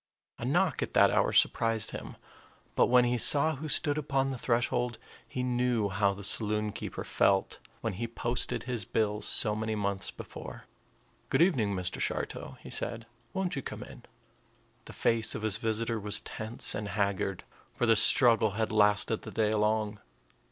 A knock at that hour surprised him; but when he saw who stood upon the threshold, he knew how the saloon keeper felt when he posted his bills so many months before. "Good evening, Mr. Shartow," he said. "Won't you come in?" The face of his visitor was tense and haggard; for the struggle had lasted the day long.